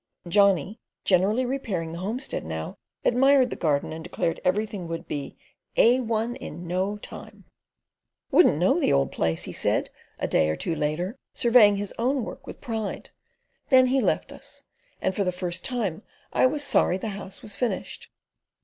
Johnny, generally repairing the homestead now, admired the garden and declared everything would be "A1 in no time." "Wouldn't know the old place," he said, a day or two later, surveying his own work with pride. Then he left us, and for the first time I was sorry the house was finished.